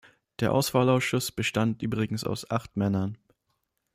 Der Auswahlausschuss bestand übrigens aus acht Männern.